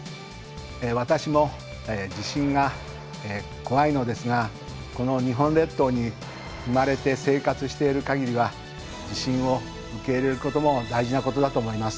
私も地震が怖いのですがこの日本列島に生まれて生活しているかぎりは地震を受け入れることも大事なことだと思います。